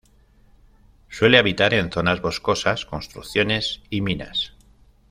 Suele habitar en zonas boscosas, construcciones y minas.